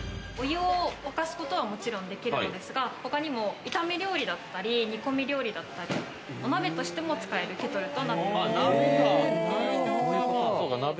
お湯を沸かすことはもちろんできるのですが、他にも炒め料理だったり、煮込み料理だったり、お鍋としても使えるケトルとなっています。